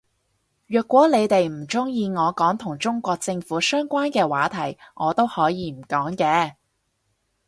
若果你哋唔鍾意我講同中國政府相關嘅話題我都可以唔講嘅